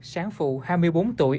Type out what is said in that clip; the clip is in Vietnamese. sáng phụ hai mươi bốn tuổi